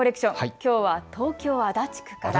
きょうは東京足立区から。